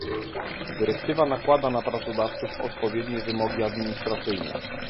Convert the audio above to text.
Dyrektywa nakłada na pracodawców odpowiednie wymogi administracyjne